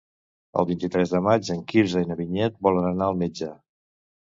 El vint-i-tres de maig en Quirze i na Vinyet volen anar al metge.